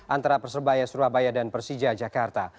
antara persebaya surabaya dan persija jakarta